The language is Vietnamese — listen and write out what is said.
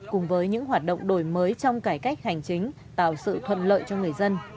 cùng với những hoạt động đổi mới trong cải cách hành chính tạo sự thuận lợi cho người dân